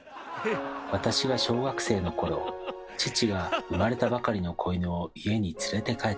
「私が小学生のころ父が生まれたばかりの子犬を家に連れて帰ってきた。